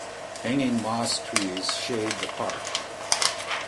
Hanging moss trees shade the park.